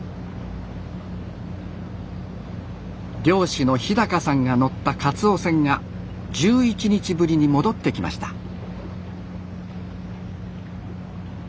漁師の日さんが乗ったカツオ船が１１日ぶりに戻ってきました。